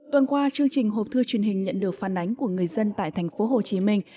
tuần qua chương trình hộp thư truyền hình nhận được phản ánh của người dân tại thành phố hồ chí minh